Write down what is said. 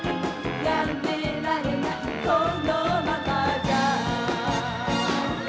「やめられないこのままじゃ」